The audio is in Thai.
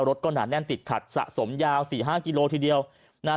รถก็หนาแน่นติดขัดสะสมยาวสี่ห้ากิโลทีเดียวนะฮะ